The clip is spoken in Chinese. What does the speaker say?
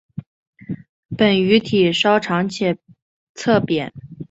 本鱼体稍长且侧扁。